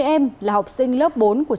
bốn mươi em là học sinh lớp bốn của trường